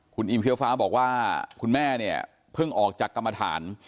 คุณอิมเฟี้ยฟ้าบอกว่าคุณแม่เนี่ยเพิ่งออกจากกรรมฐาน